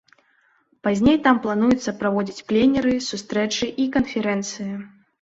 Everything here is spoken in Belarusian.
Пазней там плануецца праводзіць пленэры, сустрэчы і канферэнцыі.